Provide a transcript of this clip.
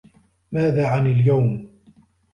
ماذا عن اليوم؟